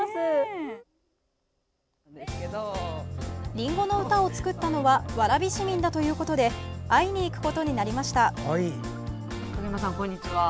りんごの歌を作ったのは蕨市民だということで会いに行くことになりました。